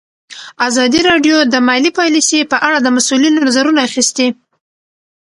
ازادي راډیو د مالي پالیسي په اړه د مسؤلینو نظرونه اخیستي.